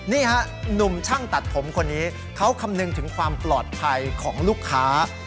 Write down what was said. นี่ฮะหนุ่มช่างตัดผมคนนี้เขาคำนึงถึงความปลอดภัยของลูกค้า